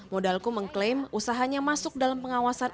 modalku mengklaim usahanya masuk dalam pengawasan